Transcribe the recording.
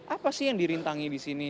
apa sih yang dirintangi disini